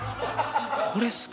これすか？